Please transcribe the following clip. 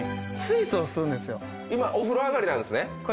今お風呂上がりなんですね。